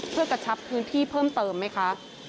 เพื่อกระชับพื้นที่เพิ่มเติมไหมคะ